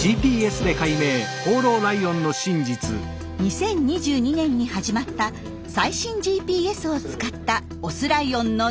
２０２２年に始まった最新ＧＰＳを使ったオスライオンの大調査。